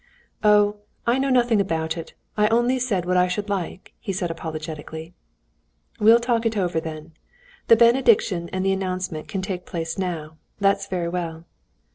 "Oh, I know nothing about it; I only said what I should like," he said apologetically. "We'll talk it over, then. The benediction and announcement can take place now. That's very well."